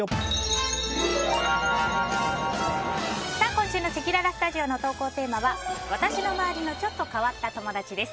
今週のせきららスタジオの投稿テーマは私の周りのちょっと変わった友達です。